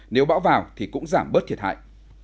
nếu bão vào thì cũng giảm bớt thiệt hại